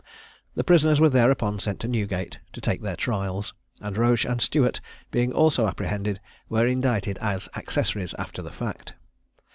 The prisoners were thereupon sent to Newgate to take their trials; and Roche and Stewart being also apprehended, were indicted as accessories after the fact.